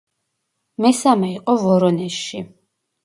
მესამე იყო ვორონეჟში.